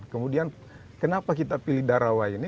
kemudian kenapa kita pilih darawa ini